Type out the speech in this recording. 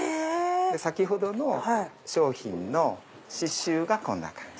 先ほどの商品の刺繍がこんな感じ。